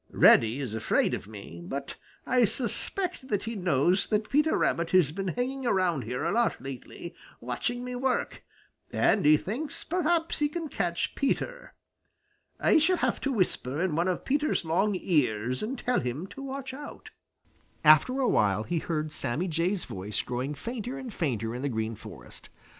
Reddy is afraid of me, but I suspect that he knows that Peter Rabbit has been hanging around here a lot lately, watching me work, and he thinks perhaps he can catch Peter. I shall have to whisper in one of Peter's long ears and tell him to watch out." After a while he heard Sammy Jay's voice growing fainter and fainter in the Green Forest.